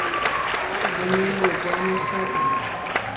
Añemboja mesápe